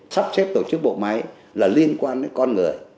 sắp xếp tổ chức bộ máy là liên quan đến con người